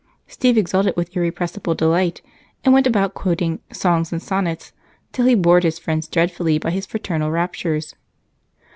Steve exulted with irrepressible delight and went about quoting Songs and Sonnets till he bored his friends dreadfully by his fraternal raptures.